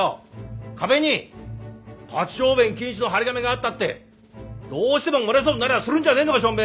壁に立ち小便禁止の貼り紙があったってどうしても漏れそうになりゃするんじゃねえのか小便！